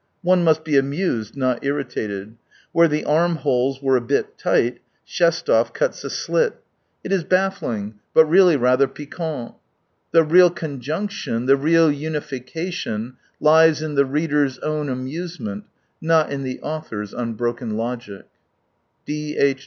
One must be amused, not irritated. Where the armholes were a bit tight, Shestov cuts a slit. It is baffling, but II ffdly rather piquant. The real conjunction, the real unification lies in the reader's Own amusement, not in the author*s unbroken logic, D. H.